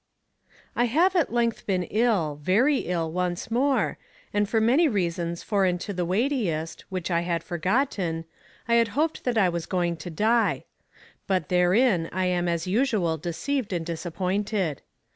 "'I have at length been ill, very ill, once more, and for many reasons foreign to the weightiest, which I had forgotten, I had hoped that I was going to die. But therein I am as usual deceived and disappointed.